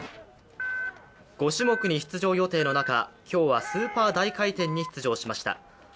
５種目に出場予定の中、今日はスーパー大回転に出場しました。